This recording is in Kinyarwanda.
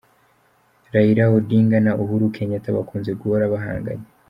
Raila Odinga na Uhuru Kenyatta bakunze guhora bahanganye